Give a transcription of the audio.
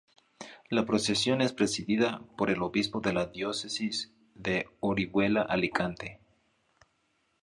La procesión es presidida por el obispo de la diócesis de Orihuela-Alicante.